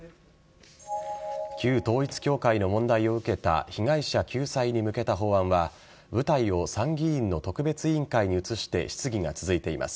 旧統一教会の問題を受けた被害者救済に向けた法案は舞台を参議院の特別委員会に移して質疑が続いています。